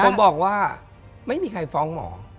ผมบอกว่าไม่มีใครฟ้องหมอ